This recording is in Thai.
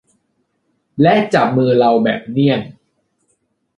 และจับมือเราแบบเนียน